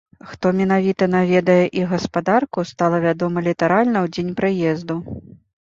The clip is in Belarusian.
Хто менавіта наведае іх гаспадарку, стала вядома літаральна ў дзень прыезду.